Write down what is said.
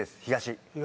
東。